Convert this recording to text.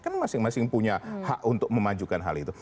kan masing masing punya hak untuk memajukan hal itu